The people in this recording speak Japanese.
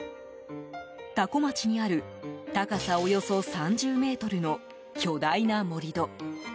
多古町にある高さ、およそ３０ｍの巨大な盛り土。